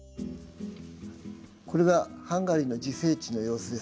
これがハンガリーの自生地の様子です。